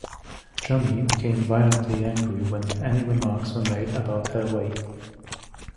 Johnny became violently angry when any remarks were made about her weight.